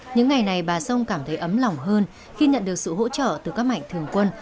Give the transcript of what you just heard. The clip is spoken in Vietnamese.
những ngày này bà sông cảm thấy ấm lòng hơn khi nhận được sự hỗ trợ từ các mạnh thường quân